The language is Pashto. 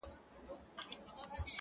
• چي د وخت له تاریکیو را بهر سي,